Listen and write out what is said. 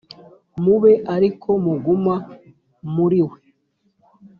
mube ari ko muguma muri We.